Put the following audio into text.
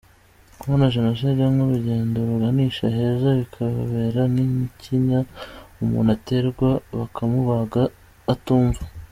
Kubona Jenoside nk’urugendo ruganisha heza bikababera nk’ikinya umuntu aterwa bakamubaga atumva.